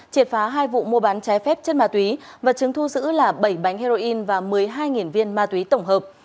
triệt phá hai vụ mua bán trái phép chất ma túy và chứng thu giữ là bảy bánh heroin và một mươi hai viên ma túy tổng hợp